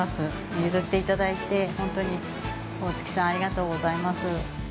譲っていただいてホントに大槻さんありがとうございます。